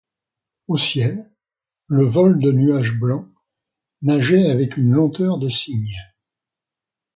Au ciel, le vol de nuages blancs nageait avec une lenteur de cygne.